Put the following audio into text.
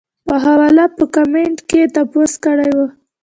پۀ حواله پۀ کمنټ کښې تپوس کړے وۀ -